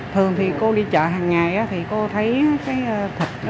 thường thì cô đi chợ hàng ngày thì cô thấy cái thịt